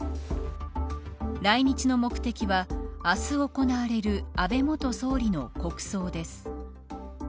来日の目的は明日行われる安倍元総理の国葬です。